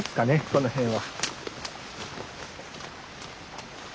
この辺は。